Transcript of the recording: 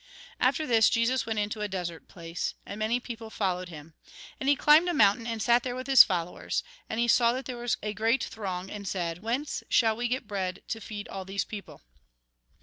After this, Jesus went into a desert place. And many people followed him. And he climbed a mountain, and sat there with his followers. And he saw that there was a great throng, and said : "Whence shall we get bread to feed all these people